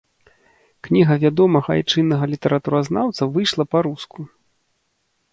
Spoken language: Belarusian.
Кніга вядомага айчыннага літаратуразнаўца выйшла па-руску.